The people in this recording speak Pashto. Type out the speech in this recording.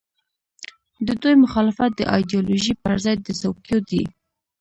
د دوی مخالفت د ایډیالوژۍ پر ځای د څوکیو دی.